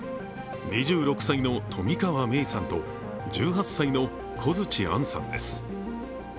２６歳の冨川芽生さんと１８歳の小槌杏さんです。